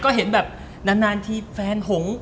ก็เห็นนานฟแฟนหนูโหง